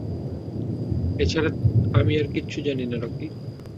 এছাড়া আমি আর কিচ্ছু জানি না, রকি।